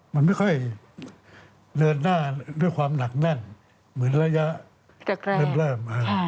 มันไม่ค่อยเดินหน้าด้วยความหนักแน่นเหมือนระยะแรกเริ่ม